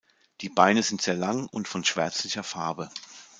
Die Beine sind sehr lang und von schwärzlicher Farbe.